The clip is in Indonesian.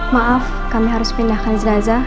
maaf kami harus pindahkan jenazah